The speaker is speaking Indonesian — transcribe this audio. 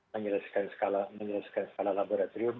menyelesaikan skala laboratorium